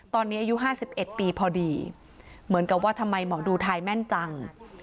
ตอนนี้อายุ๕๑ปีพอดีเหมือนกับว่าทำไมหมอดูทายแม่นจัง